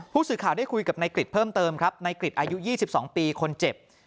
ผู้สื่อข่าวได้คุยกับนายกริจเพิ่มเติมครับนายกริจอายุ๒๒ปีคนเจ็บ